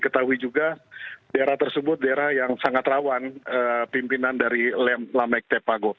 ketahui juga daerah tersebut daerah yang sangat rawan pimpinan dari lem lamek tepago